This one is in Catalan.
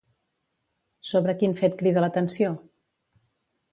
Sobre quin fet crida l'atenció?